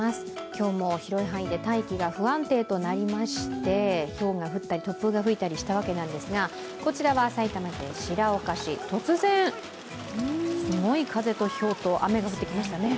今日も広い範囲で大気が不安定となりまして、ひょうが降ったり、突風が吹いたりしたんですが、こちらは埼玉県白岡市突然、すごい風とひょうと雨が降ってきましたね。